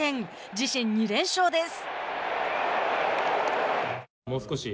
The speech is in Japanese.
自身２連勝です。